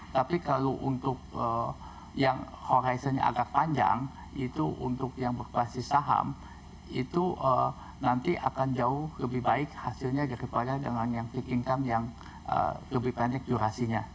tapi kalau untuk yang horizonnya agak panjang itu untuk yang berbasis saham itu nanti akan jauh lebih baik hasilnya daripada dengan yang kicking come yang lebih pendek durasinya